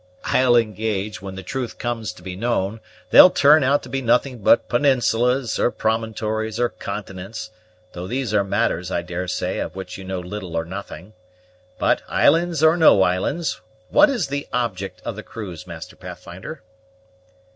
"I'll engage, when the truth comes to be known, they'll turn out to be nothing but peninsulas, or promontories; or continents; though these are matters, I daresay, of which you know little or nothing. But, islands or no islands, what is the object of the cruise, Master Pathfinder?"